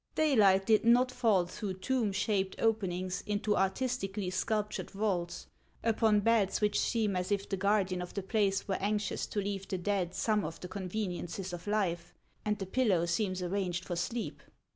Daylight did not fall through tomb shaped openings, into artistically sculptured vaults, upon beds which seern as if the guardian of the place were anxious to leave the dead some of the conveniences of life, and the pillow seems arranged for sleep.